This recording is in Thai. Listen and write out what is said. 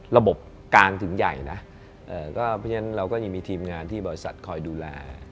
ระบบกลางถึงใหญ่เราก็ยังมีทีมงานที่บริษัทคอยดูแล